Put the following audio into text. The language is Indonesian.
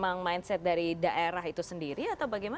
memang mindset dari daerah itu sendiri atau bagaimana